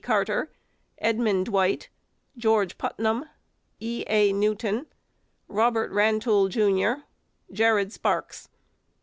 CARTER, EDMUND DWIGHT, GEORGE PUTNAM, E. A. NEWTON ROBERT 'RANTOUL, Jus., JARED SPARKS.